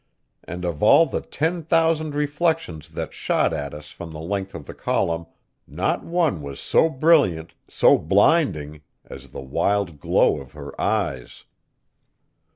And of all the ten thousand reflections that shot at us from the length of the column not one was so brilliant, so blinding, as the wild glow of her eyes.